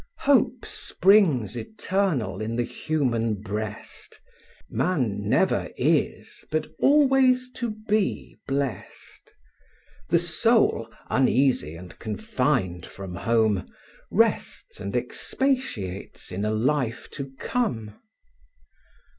Hope springs eternal in the human breast: Man never is, but always to be blest: The soul, uneasy and confined from home, Rests and expatiates in a life to come.